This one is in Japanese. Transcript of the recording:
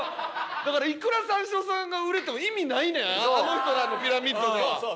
だからいくら三四郎さんが売れても意味ないねんあの人らのピラミッドでは。